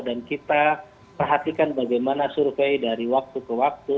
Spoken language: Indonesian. dan kita perhatikan bagaimana survei dari waktu ke waktu